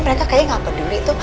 mereka kayaknya nggak peduli tuh